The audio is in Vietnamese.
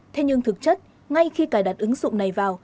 thế nhưng thực chất ngay khi cài đặt ứng dụng này vào